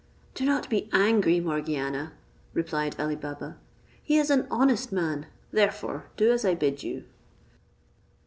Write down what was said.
"Do not be angry, Morgiana," replied Ali Baba: "he is an honest man; therefore do as I bid you."